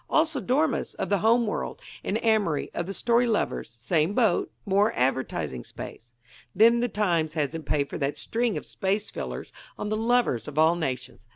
Also Dormus, of the Home World, and Amory, of the Storylovers same boat more advertising space. Then the Times hasn't paid for that string of space fillers on 'The Lovers of All Nations.'